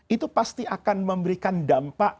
itu pasti akan memberikan dampak